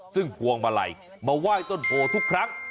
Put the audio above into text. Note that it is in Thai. ซึ่งพวงมาลัยมาไหว้ต้นโพทุกครั้ง